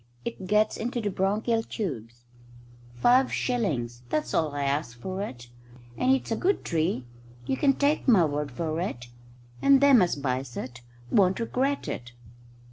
"It gets into the bronchial tubes. Five shillings that's all I'll ask you for it. And it's a good tree. You can take my word for it. And them as buys it won't regret it."